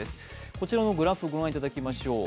こちらのグラフをご覧いただきましょう。